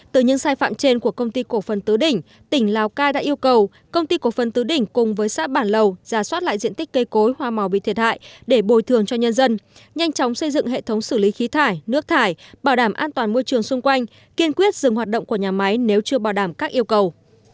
từ những sai phạm trên của công ty cổ phần tứ đỉnh tỉnh lào cai đã yêu cầu công ty cổ phân tứ đỉnh cùng với xã bản lầu giả soát lại diện tích cây cối hoa màu bị thiệt hại để bồi thường cho nhân dân nhanh chóng xây dựng hệ thống xử lý khí thải nước thải bảo đảm an toàn môi trường xung quanh kiên quyết dừng hoạt động của nhà máy nếu chưa bảo đảm các yêu cầu